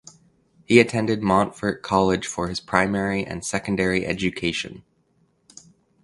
He attended Montfort College for his primary and secondary education.